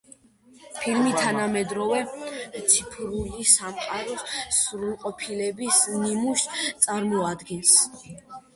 ფილმი თანამედროვე ციფრული სამყაროს სრულყოფილების ნიმუშს წარმოადგენს.